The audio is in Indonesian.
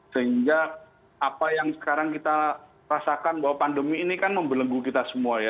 sehingga apa yang sekarang kita rasakan bahwa pandemi ini kan membelenggu kita semua ya